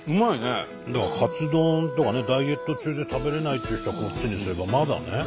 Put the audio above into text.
だからカツ丼とかねダイエット中で食べれないっていう人はこっちにすればまだね。